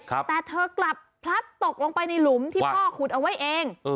แต่เธอกลับพลัดตกลงไปในหลุมที่พ่อขุดเอาไว้เอง